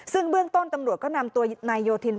ซึ่งเบื้องต้นตำรวจก็นำตัวนายโยธิน